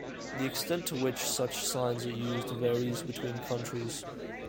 The extent to which such signs are used varies between countries.